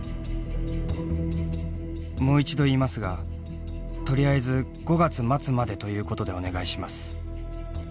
「もう一度言いますがとりあえず５月末までということでお願いします」。